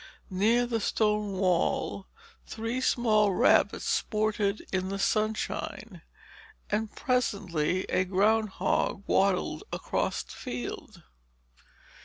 Near the stone wall, three small rabbits sported in the sunshine; and presently a groundhog waddled across the field.